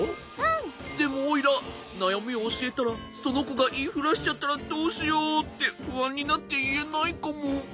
でもおいらなやみをおしえたらそのこがいいふらしちゃったらどうしようってふあんになっていえないかも。